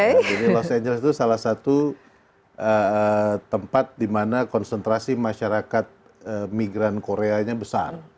jadi los angeles itu salah satu tempat dimana konsentrasi masyarakat migran koreanya besar